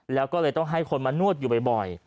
แล้วก็เลยต้องให้คนมานวดอยู่บ่อย